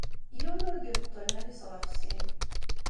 Yiwen ur d-ibeṭṭu iman-is ɣef sin.